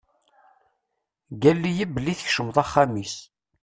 Ggal-iyi-d belli tkecmeḍ axxam-is.